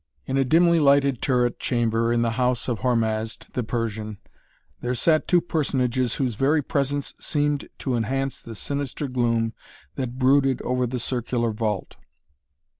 In a dimly lighted turret chamber in the house of Hormazd the Persian there sat two personages whose very presence seemed to enhance the sinister gloom that brooded over the circular vault.